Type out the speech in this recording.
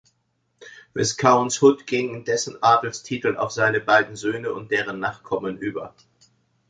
Viscounts Hood, gingen dessen Adelstitel auf seine beiden Söhne und deren Nachkommen über.